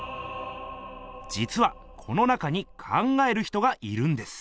じつはこの中に「考える人」がいるんです。